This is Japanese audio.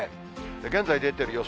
現在出ている予想